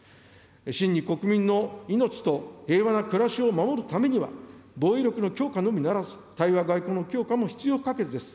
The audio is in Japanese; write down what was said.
真に国民の命と平和な暮らしを守るためには、防衛力の強化のみならず、対話、外交の強化も必要不可欠です。